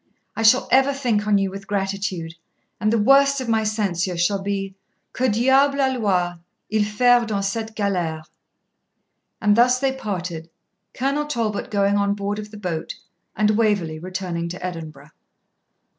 I shall ever think on you with gratitude, and the worst of my censure shall be, Que diable alloit il faire dans cette galere?' And thus they parted, Colonel Talbot going on board of the boat and Waverley returning to Edinburgh.